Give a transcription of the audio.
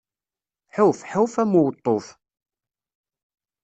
Ḥuf, ḥuf, am uweṭṭuf!